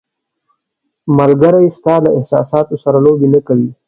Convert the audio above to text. ملګری ستا له احساساتو سره لوبې نه کوي.